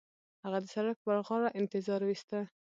هغه د سړک پر غاړه انتظار وېسته.